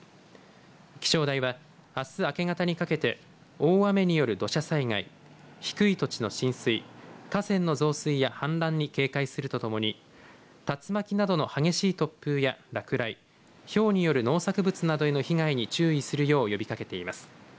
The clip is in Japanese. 気象台は、あす明け方にかけて大雨による土砂災害、低い土地の浸水、河川の増水や氾濫に警戒するとともに竜巻などの激しい突風や落雷、ひょうによる農作物などへの被害に注意するよう呼びかけています。